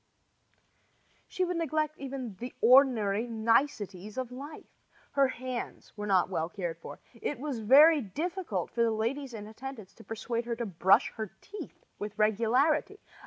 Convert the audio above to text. She would even neglect the ordinary niceties of life. Her hands were not well cared for. It was very difficult for the ladies in attendance to persuade her to brush her teeth with regularity.